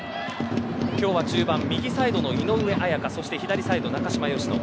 今日は中盤右サイドの井上綾香そして左サイド中嶋淑乃